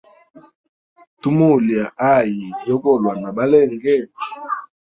Tumulya ayi yogolwa na balenge?